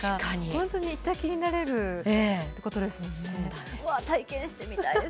本当に行った気になれるってことですもんね。